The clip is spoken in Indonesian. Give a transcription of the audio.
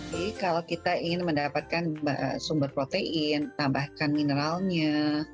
jadi kalau kita ingin mendapatkan sumber protein tambahkan mineralnya